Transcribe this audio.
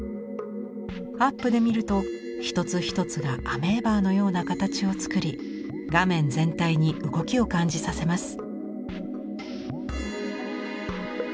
アップで見ると一つ一つがアメーバのような形を作り画面全体に動きを感じさせます。